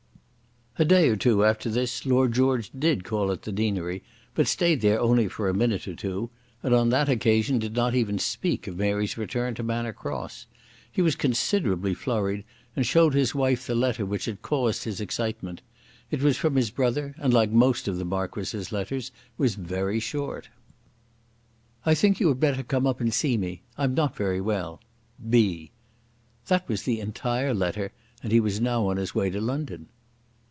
A day or two after this Lord George did call at the deanery, but stayed there only for a minute or two, and on that occasion did not even speak of Mary's return to Manor Cross. He was considerably flurried, and showed his wife the letter which had caused his excitement. It was from his brother, and like most of the Marquis's letters was very short. "I think you had better come up and see me. I'm not very well. B." That was the entire letter, and he was now on his way to London.